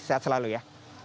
sehat selalu ya